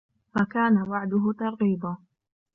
فَكَانَ وَعْدُهُ تَرْغِيبًا